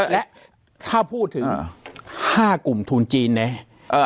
และถ้าพูดถึง๕กลุ่มทุนจีนเนี่ย